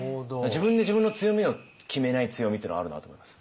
自分で自分の強みを決めない強みっていうのはあるなと思います。